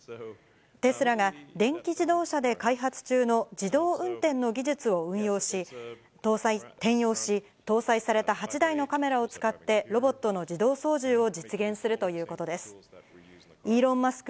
テスラが電気自動車で開発中の自動運転の技術を転用し、搭載された８台のカメラを使ってロボットの自動操縦を実現するということです。イーロン・マスク